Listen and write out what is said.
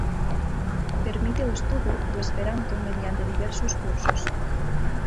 Permite o estudo do esperanto mediante diversos cursos.